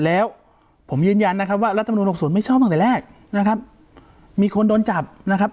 แล้วผมยืนยันนะครับว่ารัฐมนุน๖๐ไม่ชอบตั้งแต่แรกนะครับมีคนโดนจับนะครับ